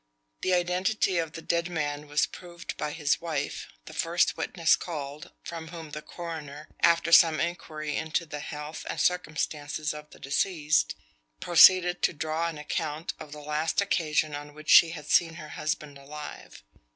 The identity of the dead man was proved by his wife, the first witness called, from whom the coroner, after some inquiry into the health and circumstances of the deceased, proceeded to draw an account of the last occasion on which she had seen her husband alive.